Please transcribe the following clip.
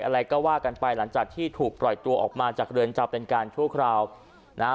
อะไรก็ว่ากันไปหลังจากที่ถูกปล่อยตัวออกมาจากเรือนจำเป็นการชั่วคราวนะฮะ